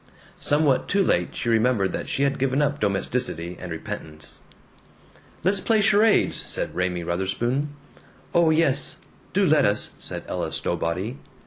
Somewhat too late she remembered that she had given up domesticity and repentance. "Let's play charades!" said Raymie Wutherspoon. "Oh yes, do let us," said Ella Stowbody.